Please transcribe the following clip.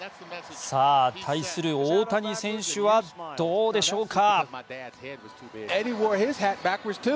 さあ、対する大谷選手はどうでしょうか。